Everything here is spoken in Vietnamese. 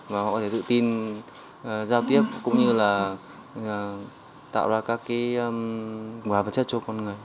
và họ có thể tự tin giao tiếp cũng như là tạo ra các cái ngoài vật chất cho con người